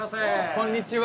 こんにちは。